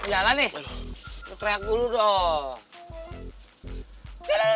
jalan nih lo teriak dulu dong